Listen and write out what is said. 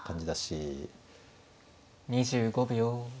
２５秒。